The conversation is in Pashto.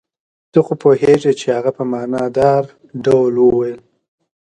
ته خو پوهېږې. هغه په معنی دار ډول وویل.